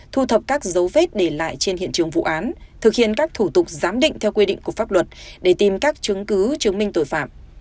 thu thập các dấu vết để lại trên hiện trường vụ án thực hiện các thủ tục giám định theo quy định của pháp luật để tìm các chứng cứ chứng minh tội phạm